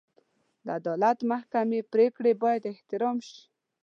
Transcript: د عدالت محکمې پرېکړې باید احترام شي.